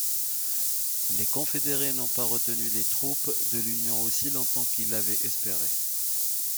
Les Confédérés n'ont pas retenu les troupes de l'Union aussi longtemps qu'ils l'avaient espéré.